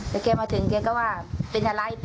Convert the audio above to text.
แล้วเค้ามาถึงเราก็ว่าเป็นอะไรป่ะ